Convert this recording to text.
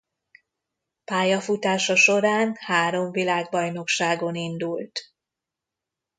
Pályafutása során három világbajnokságon indult.